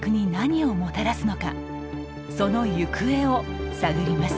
その行方を探ります。